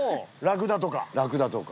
ラクダとか？